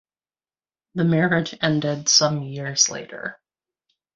The marriage ended some years later.